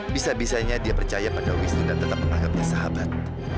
bisa bisanya dia percaya pada wisnu dan tetap menganggapnya sahabat